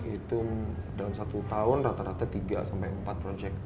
itu dalam satu tahun rata rata tiga sampai empat proyek